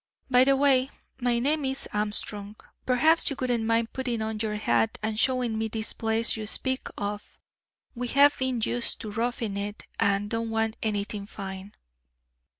By the way, my name is Armstrong. Perhaps you wouldn't mind putting on your hat and showing me this place you speak of. We have been used to roughing it, and don't want anything fine."